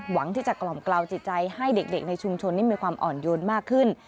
หวังที่จะกล่อมกล่าวจิตใจให้เด็กในชุมชนนี้มีความอ่อนโยนมากขึ้น